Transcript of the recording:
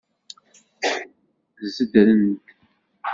Szedren-t.